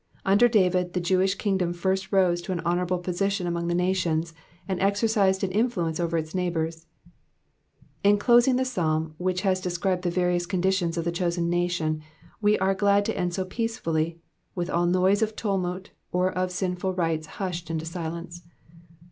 Under David, the Jewish kingdom first rose to an honourable position among the nations, and exercised an influence over its neighbours. In closing the Psalm which has described the varying conditions of the chosen nation, we are glad to end so peacefully ; with all noise of tumult or of sinful rites hushed into silence.